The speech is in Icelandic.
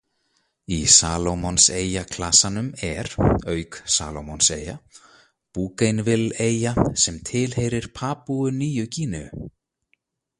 Í Salómonseyjaklasanum er, auk Salómonseyja, Bougainville-eyja sem tilheyrir Papúu-Nýju Gíneu.